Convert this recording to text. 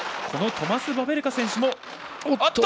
このトマス・バベルカ選手も。